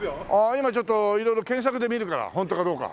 今ちょっと色々検索で見るからホントかどうか。